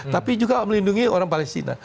tapi juga melindungi orang palestina